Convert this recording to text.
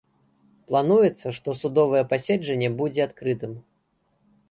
Плануецца, што судовае паседжанне будзе адкрытым.